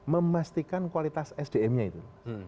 memastikan kualitas sdm nya itu